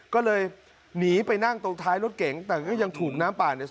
ก็เลยหนีไปนั่งตรงท้ายรถเก๋งแต่ก็ยังถูกน้ำป่าเนี่ย